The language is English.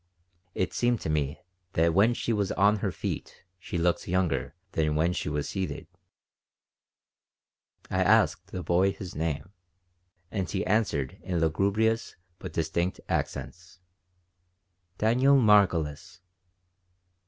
It seemed to me that when she was on her feet she looked younger than when she was seated I asked the boy his name, and he answered in lugubrious, but distinct, accents: "Daniel Margolis."